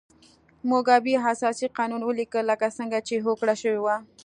موګابي اساسي قانون ولیکه لکه څنګه چې هوکړه شوې وه.